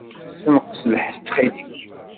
Ssenqes lḥess, ttxil-k.